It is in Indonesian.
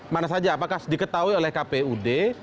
mana saja apakah diketahui oleh kpud